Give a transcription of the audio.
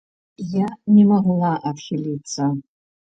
Я не магла адхіліцца.